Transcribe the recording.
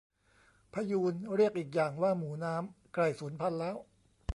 พะยูน เรียกอีกอย่างว่าหมูน้ำ ใกล้สูญพันธุ์แล้ว